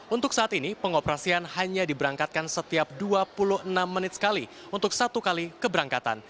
untuk saat ini pengoperasian hanya diberangkatkan setiap dua puluh enam menit sekali untuk satu kali keberangkatan